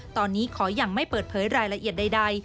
ตอนนี้ขอยังไม่เปิดเผยรายละเอียดใด